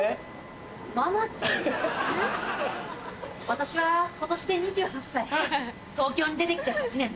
私は今年で２８歳東京に出て来て８年。